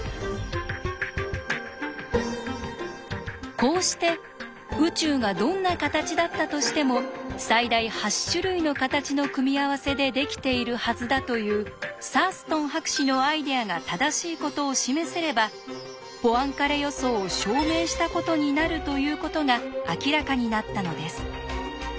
こうして「宇宙がどんな形だったとしても最大８種類の形の組み合わせでできているはずだ」というサーストン博士のアイデアが正しいことを示せれば「ポアンカレ予想を証明したことになる」ということが明らかになったのです。